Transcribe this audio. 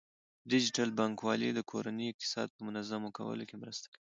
ډیجیټل بانکوالي د کورنۍ اقتصاد په منظمولو کې مرسته کوي.